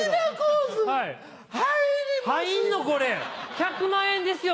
１００万円ですよ！